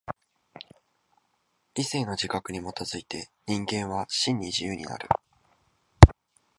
理性の自覚に基づいて人間は真に自由になる。